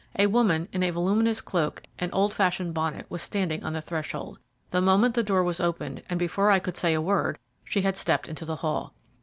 A woman in a voluminous cloak and old fashioned bonnet was standing on the threshold. The moment the door was opened, and before I could say a word, she had stepped into the hall.